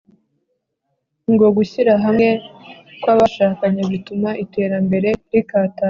Ngo gushyira hamwe kw’abashakanye bituma iterambere rikataza